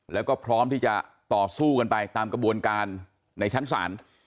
แล้วก็พร้อมที่จะต่อสู้กันไปตามกระบวนการในชั้นศาล